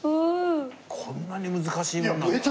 こんなに難しいものなんだ。